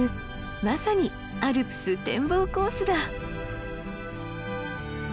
まさにアルプス展望コースだ！